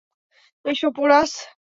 এসো, পোরাস!